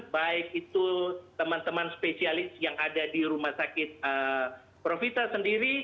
baik itu teman teman spesialis yang ada di rumah sakit profita sendiri